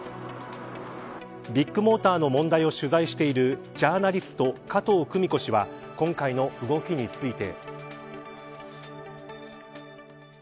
ビッグモーターの問題を取材しているジャーナリスト加藤久美子氏は今回の動きについて。